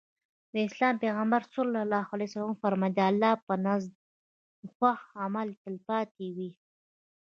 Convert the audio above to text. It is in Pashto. د اسلام پيغمبر ص وفرمايل د الله په نزد خوښ عمل تلپاتې وي.